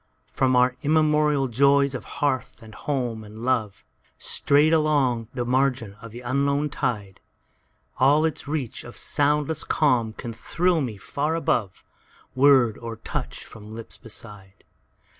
From our immemorial joys of hearth and home and loveStrayed away along the margin of the unknown tide, All its reach of soundless calm can thrill me far aboveWord or touch from the lips beside.